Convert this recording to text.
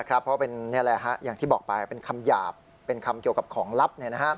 เพราะเป็นอย่างที่บอกไปเป็นคำหยาบเป็นคำเกี่ยวกับของลับ